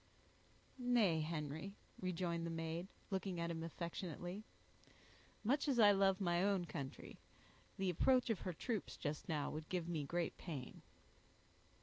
"Nay, Henry," rejoined the maid, looking at him affectionately, "much as I love my own country, the approach of her troops just now would give me great pain."